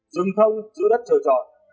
rừng thông giữ đất trời trọn